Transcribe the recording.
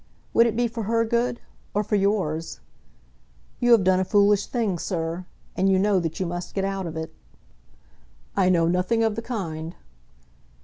Would it be for her good, or for yours? You have done a foolish thing, sir, and you know that you must get out of it." "I know nothing of the kind."